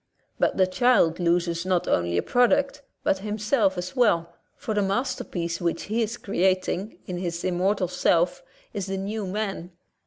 '' But the child loses not only a product, but himself as well, for the masterpiece which he is creating in his immortal self is the new man.